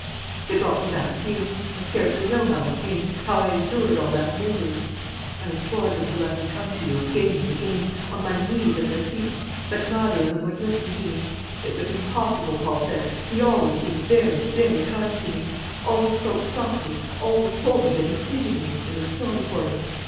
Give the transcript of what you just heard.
"They brought me back here. I scarcely know how I came, how I endured all that misery. I implored them to let me come to you, again and again, on my knees at their feet. But neither of them would listen to me. It was impossible, Paul said. He always seemed very, very kind to me; always spoke softly; always told me that he pitied me, and was sorry for me.